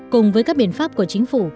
cùng với các biện pháp của chính phủ